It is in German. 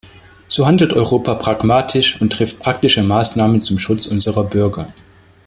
So handelt Europa pragmatisch und trifft praktische Maßnahmen zum Schutz unserer Bürger.